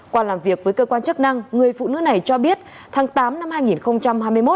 qua làm việc với cơ quan chức năng người phụ nữ này cho biết tháng tám năm hai nghìn hai mươi một